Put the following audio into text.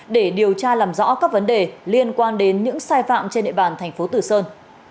để điều tra làm rõ các vấn đề liên quan đến những sai phạm trên địa bàn thành phố tử sơn